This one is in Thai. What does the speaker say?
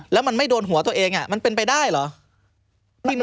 แล้วมันไม่โดนหัวตัวเองมันเป็นไปได้เหรอ